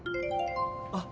あっ。